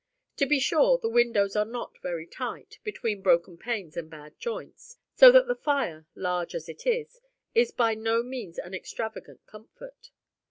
To be sure, the windows are not very tight, between broken panes and bad joints, so that the fire, large as it is, is by no means an extravagant comfort.